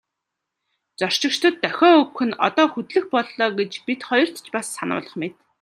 Зорчигчдод дохио өгөх нь одоо хөдлөх боллоо гэж бид хоёрт ч бас сануулах мэт.